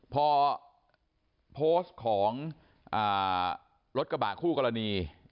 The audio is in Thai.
พอโพสต์ของรถกระบะคู่กรณี